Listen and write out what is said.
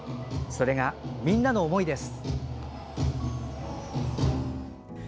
それが、みんなの思いです。